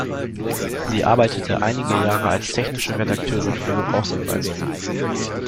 Sie arbeitete einige Jahre als technische Redakteurin für Gebrauchsanweisungen.